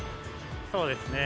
そうですね。